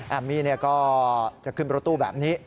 มี่ก็จะขึ้นรถตู้แบบนี้